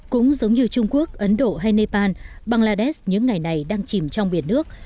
cũng giống như trung quốc ấn độ hay nepal bangladesh những ngày này đang chìm trong biển nước